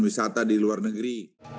wisata di luar negeri